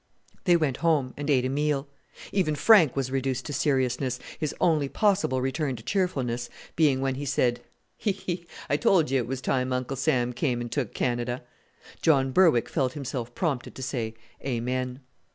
They went home, and ate a meal. Even Frank was reduced to seriousness, his only possible return to cheerfulness being when he said, "He! he! I told you it was time Uncle Sam came and took Canada!" John Berwick felt himself prompted to say "Amen."